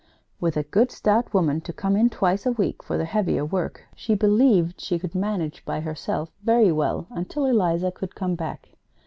With a good stout woman to come in twice a week for the heavier work, she believed she could manage by herself very well until Eliza could come back.